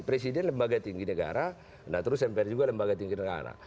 presiden lembaga tinggi negara nah terus mpr juga lembaga tinggi negara